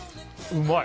うまい。